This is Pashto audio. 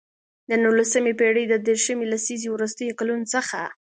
د نولسمې پېړۍ د دیرشمې لسیزې وروستیو کلونو څخه.